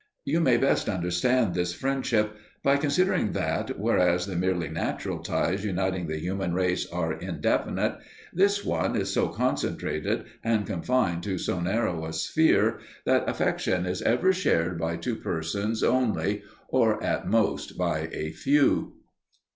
You may best understand this friendship by considering that, whereas the merely natural ties uniting the human race are indefinite, this one is so concentrated, and confined to so narrow a sphere, that affection is ever shared by two persons only or at most by a few.